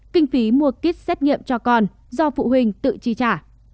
kinh phí mua kit xét nghiệm cho con do phụ huynh tự chi trả